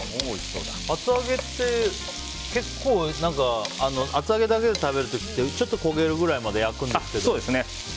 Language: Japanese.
厚揚げって結構厚揚げだけで食べる時ってちょっと焦げるくらいまで焼くんですけど。